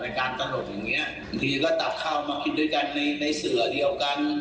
การตลกอย่างเงี้ยบางทีก็ตักข้าวมากินด้วยกันในในเสือเดียวกัน